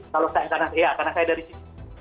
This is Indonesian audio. kalau saya karena saya dari sini